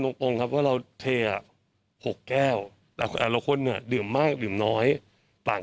องค์ครับว่าเราเท๖แก้วแต่ละคนเนี่ยดื่มมากดื่มน้อยต่าง